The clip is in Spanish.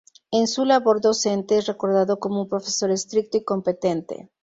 En su labor docente es recordado como un profesor estricto y competente.